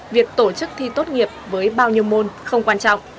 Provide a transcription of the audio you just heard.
việc tổ chức thi tốt nghiệp với bao nhiêu môn không quan trọng